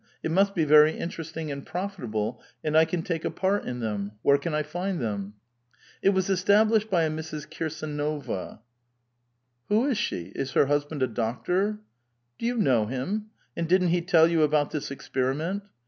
It must be very interest ing and profitable ; and I can take a part in them. Where can I find them ?"It was established bv a Mrs. Kirsdnova." Who is she? Is her husband a doctor?" " Do you know him ? And didn't he tell you about this experiment?"